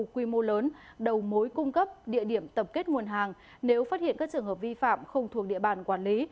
quy mô lớn đầu mối cung cấp địa điểm tập kết nguồn hàng nếu phát hiện các trường hợp vi phạm không thuộc địa bàn quản lý